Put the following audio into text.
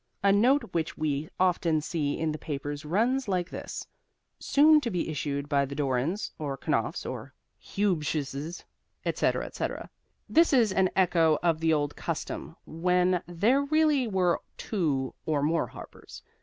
A note which we often see in the papers runs like this: "Soon to be issued by the Dorans (or Knopfs or Huebsches)," etc., etc. This is an echo of the old custom when there really were two or more Harpers.